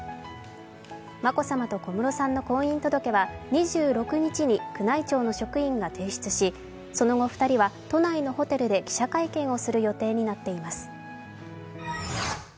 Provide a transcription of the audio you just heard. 眞子さまと小室さんの婚姻届は２６日に宮内庁の職員が提出し、その後２人は都内のホテルで記者会見をする予定になっています。